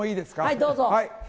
どうぞ。